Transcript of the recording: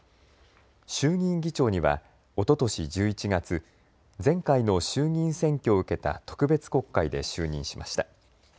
衆議院議長にはおととし１１月、前回の衆議院選挙を受けた特別国会で就任しました。